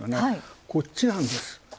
こっちなんです。